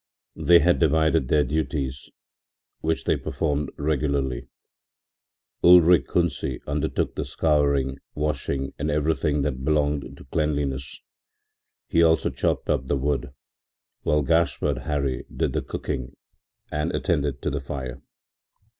They had divided their duties, which they performed regularly. Ulrich Kunsi undertook the scouring, washing and everything that belonged to cleanliness. He also chopped up the wood while Gaspard Hari did the cooking and attended to the fire.